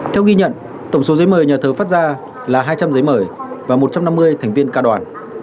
theo ghi nhận tổng số giấy mời nhà thờ phát ra là hai trăm linh giấy mời và một trăm năm mươi thành viên ca đoàn